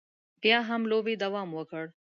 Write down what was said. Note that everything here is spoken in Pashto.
بیا هم لوبې دوام وکړ.